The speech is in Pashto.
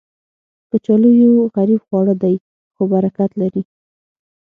کچالو یو غریب خواړه دی، خو برکت لري